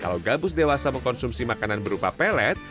kalau gabus dewasa mengkonsumsi makanan berupa pelet